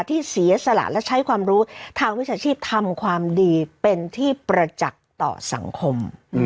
ที่เสียสละและใช้ความรู้ทางวิชาชีพทำความดีเป็นที่ประจักษ์ต่อสังคม